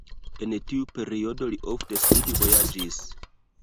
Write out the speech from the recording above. En tiu periodo li ofte studvojaĝis.